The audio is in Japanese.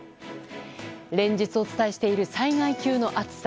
連日お伝えしている災害級の暑さ。